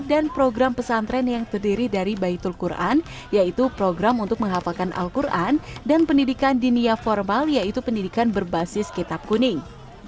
dan program pesantren yang terdiri dari baitul quran yaitu program untuk menghafalkan al quran dan pendidikan dinia formal yaitu pendidikan berbasis kitab kuning